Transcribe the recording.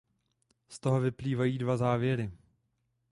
Z toho vyplývají dva závěry.